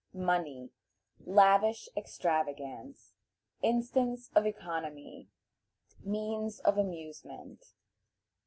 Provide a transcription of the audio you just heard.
Money. Lavish Extravagance. Instance of Economy. Means of Amusement.